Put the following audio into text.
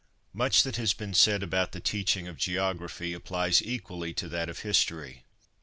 Much that has been said about the teaching of geography applies equally to that of history.